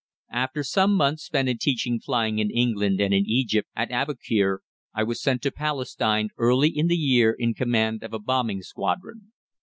After some months spent in teaching flying in England and in Egypt at Aboukir, I was sent up to Palestine early in the year in command of a bombing squadron.